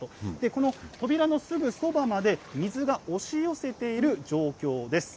この扉のすぐそばまで水が押し寄せている状況です。